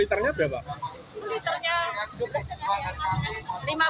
ini baru datang itu kemarin tadi malam